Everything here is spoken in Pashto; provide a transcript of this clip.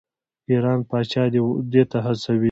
ایران پاچا دې ته وهڅوي.